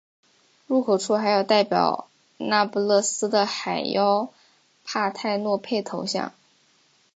入口处还有代表那不勒斯的海妖帕泰诺佩头像。